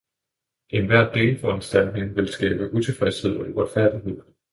Enhver delforanstaltning vil skabe utilfredshed og uretfærdighed.